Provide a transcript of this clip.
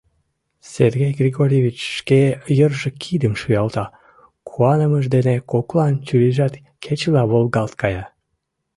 — Сергей Григорьевич шке йырже кидым шуялта, куанымыж дене коклан чурийжат кечыла волгалт кая.